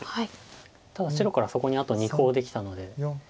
ただ白からそこにあと２コウできたので。